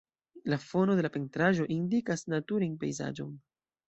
La fono de la pentraĵo indikas naturan pejzaĝon.